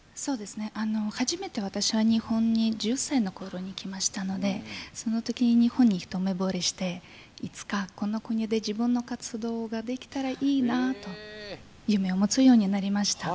初めて私が日本に１０歳のころに来ましてその時に日本に一目ぼれしていつかこの国で自分の活動ができたらいいなと夢を持つようになりました。